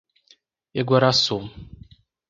Iguaraçu